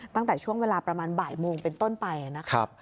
ตั้งแต่ช่วงเวลาประมาณบ่ายโมงเป็นต้นไปนะครับ